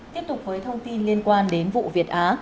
tiếp tục với thông tin liên quan đến vụ việt á